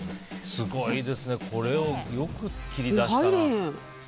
すごいですねこれをよく切り出したな。